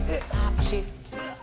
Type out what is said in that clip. eh apa sih